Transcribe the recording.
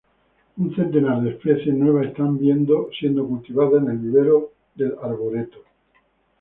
Un centenar de especies nuevas están siendo cultivadas en el vivero del arboreto.